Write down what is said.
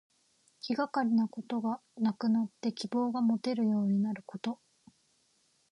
気がかりなことがなくなって希望がもてるようになること。